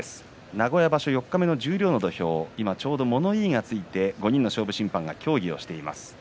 名古屋場所四日目の十両の土俵今ちょうど物言いがついて５人の勝負審判が協議をしています。